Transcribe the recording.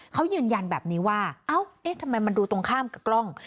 เขายืนยันแบบนี้ว่าเอ้าเอ๊ะทำไมมันดูตรงข้ามกับกล้อง